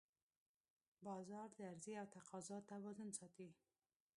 بازار د عرضې او تقاضا توازن ساتي